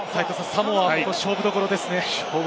サモアは勝負所ですね。